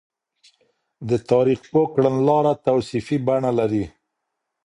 د تاريخ پوه کړنلاره توصيفي بڼه لري.